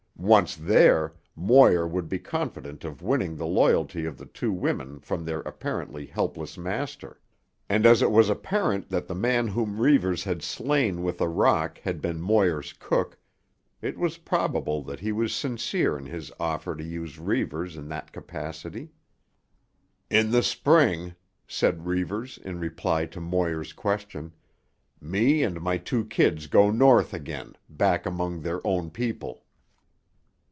Once there, Moir would be confident of winning the loyalty of the two women from their apparently helpless master. And as it was apparent that the man whom Reivers had slain with a rock had been Moir's cook, it was probable that he was sincere in his offer to use Reivers in that capacity. "In the Spring," said Reivers in reply to Moir's question, "me and my two kids go north again, back among their own people."